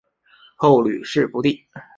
后屡试不第。